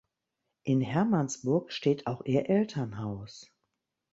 In Hermannsburg steht auch ihr Elternhaus.